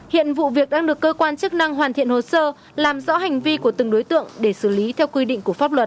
hiện vụ việc đang được cơ quan chức năng hoàn thiện hồ sơ làm rõ hành vi của từng đối tượng để xử lý theo quy định của pháp luật